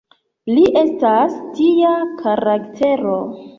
Li estas tia karaktero.